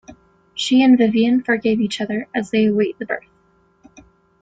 She and Viviane forgive each other as they await the birth.